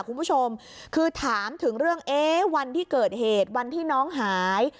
คุณผู้ชมคือถามถึงเรื่องเอ๊ะวันที่เกิดเหตุวันที่น้องหาย